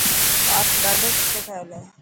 پارڪ ڏاڌو سٺو ٺهيل هي.